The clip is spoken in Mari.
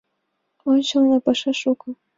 — Ончылно паша шуко.